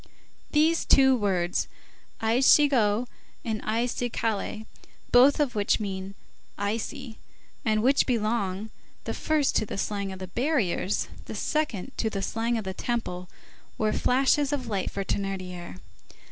These two words, icigo and icicaille, both of which mean ici, and which belong, the first to the slang of the barriers, the second to the slang of the Temple, were flashes of light for Thénardier.